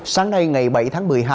sáng nay ngày bảy tháng một mươi hai